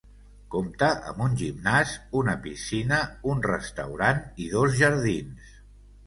Compta amb un gimnàs, una piscina, un restaurant i dos jardins.